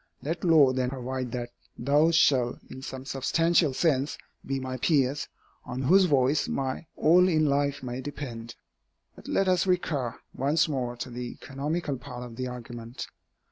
Let law then provide that those shall, in some substantial sense, be my peers, on whose voice my all in life may depend. But let us recur once more to the economical part of the argument.